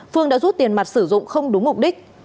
phương đã rút tiền mặt sử dụng không đúng mục đích